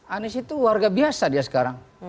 anies itu warga biasa dia sekarang